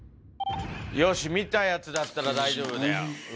よし、見たやつだったら大丈夫だよ。